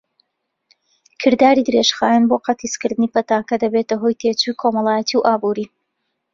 کرداری درێژخایەن بۆ قەتیسکردنی پەتاکە دەبێتە هۆی تێچووی کۆمەڵایەتی و ئابووری.